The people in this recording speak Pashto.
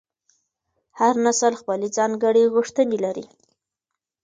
هر نسل خپلې ځانګړې غوښتنې لري.